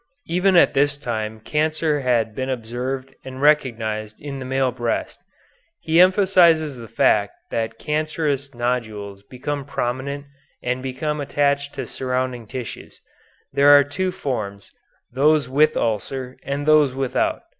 Even at this time cancer had been observed and recognized in the male breast. He emphasizes the fact that cancerous nodules become prominent and become attached to surrounding tissues. There are two forms, those with ulcer, and those without.